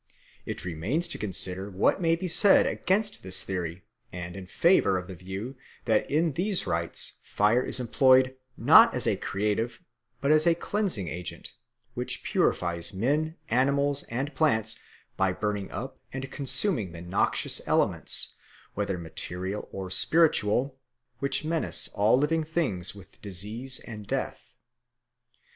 It remains to consider what may be said against this theory and in favour of the view that in these rites fire is employed not as a creative but as a cleansing agent, which purifies men, animals, and plants by burning up and consuming the noxious elements, whether material or spiritual, which menace all living things with disease and death.